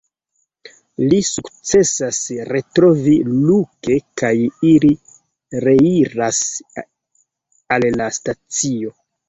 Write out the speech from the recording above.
Li sukcesas retrovi Luke kaj ili reiras al la stacio.